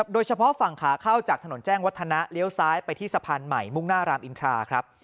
โดยเฉพาะฝั่งขาเข้าจากถนนแจ้งวัฒนะเลี้ยวซ้ายไปที่สะพานใหม่มุ่งหน้ารามอินทราครับ